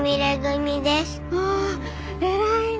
ああ偉いね。